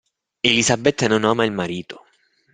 Elisabetta non ama il marito.